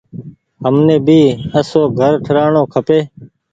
همني ڀي آسو گھر ٺرآڻو کپي۔